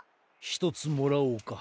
ひとつもらおうか。